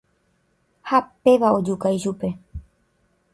Ha péva ojuka ichupe.